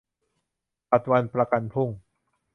ผัดวันประกันพรุ่ง